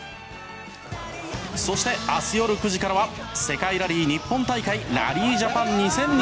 そして、明日夜９時からは「世界ラリー日本大会ラリージャパン２０２２」。